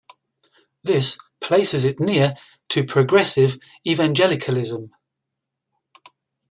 This places it near to progressive evangelicalism.